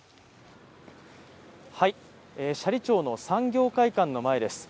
斜里町の産業会館の前です。